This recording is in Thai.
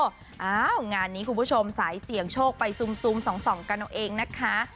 งานนี้คุณผู้ชมสายเสี่ยงโชคไปซูม๒กันเอาเองนะคะ